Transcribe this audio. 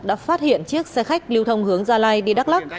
đã phát hiện chiếc xe khách lưu thông hướng gia lai đi đắk lắc